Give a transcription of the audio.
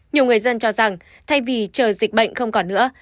nhiều người dân cho rằng thay vì chờ dịch bệnh không còn nữa